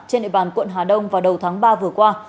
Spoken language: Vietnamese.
trên địa bàn quận hà đông vào đầu tháng ba vừa qua